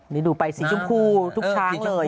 นี่ดูไปสีชมพูทุกช้างเลย